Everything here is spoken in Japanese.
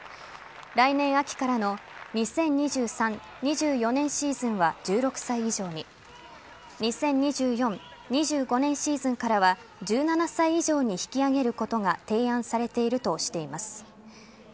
来年秋からの２０２３／２４年シーズンは１６歳以上に２０２４／２５年シーズンからは１７歳以上に引き上げることが提案されているとしています。